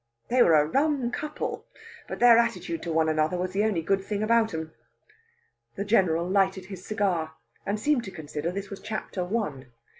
They were a rum couple, but their attitude to one another was the only good thing about them." The General lighted his cigar, and seemed to consider this was chapter one.